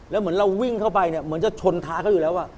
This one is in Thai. แล้วเหมือนเราวิ่งเข้าไปเนี่ยเหมือนจะชนท้ายเขาอยู่แล้ว